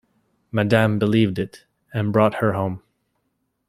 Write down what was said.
Madame believed it, and brought her home.